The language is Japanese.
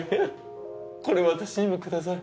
これ私にもください。